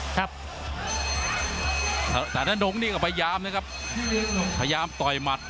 ครับแต่ละดงนี่ก็พยายามนะครับพยายามต่อยหมัด